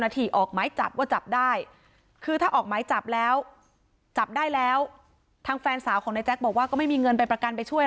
ติดต่อมาเลยยังไม่ได้คุย